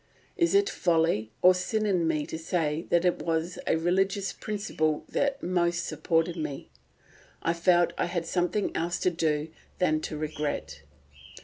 Is it folly or sin in me to say that it was a religious principle that most supported me?... I felt I had something else to do than to regret.